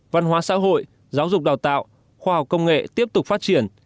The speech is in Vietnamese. văn hóa xã hội giáo dục đào tạo khoa học công nghệ tiếp tục phát triển